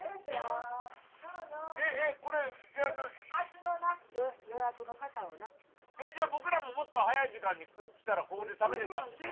えっじゃあ僕らももっと早い時間に来たらここで食べれたんですか？